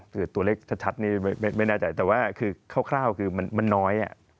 คือตัวเลขชัดนี่ไม่แน่ใจแต่ว่าคือคร่าวคือมันน้อย